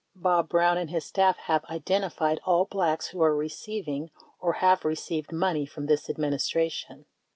Bob Brown and his staff have identified all Blacks who are receiving, or have received, money from this Administration.